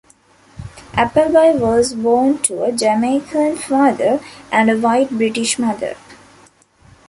Appleby was born to a Jamaican father and a white British mother.